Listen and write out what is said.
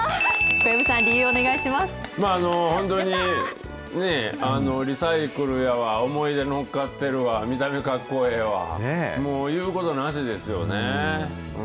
小籔さん、本当にリサイクルやわ、思い出乗っかってるわ、見た目かっこええわ、もう言うことなしですよね。